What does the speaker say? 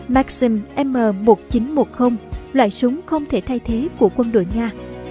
maxim m một nghìn chín trăm một mươi loại súng không thể thay thế của quân đội nga